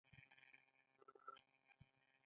هو، دا هماغه ځای ده